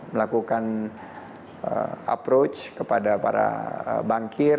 melakukan approach kepada para bankir